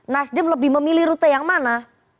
nasdem lebih memilih rute yang mana